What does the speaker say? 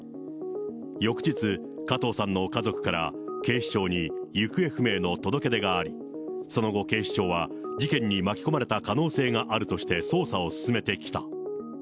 翌日、加藤さんの家族から警視庁に行方不明の届け出があり、その後、警視庁は事件に巻き込まれた可能性があるとして、捜査を進めてきた。